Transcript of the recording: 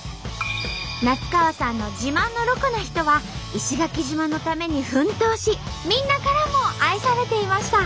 夏川さんの自慢のロコな人は石垣島のために奮闘しみんなからも愛されていました。